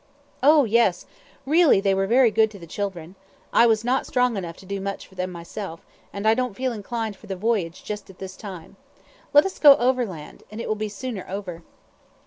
"Oh, yes! really they were very good to the children. I was not strong enough to do much for them myself; and I don't feel inclined for the voyage just at this time. Let us go overland, and it will be sooner over."